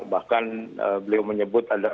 bahkan beliau menyebut ada